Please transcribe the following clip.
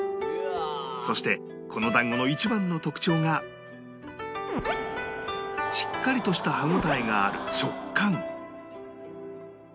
そしてこの団子の一番の特徴がしっかりとした歯応えがある食感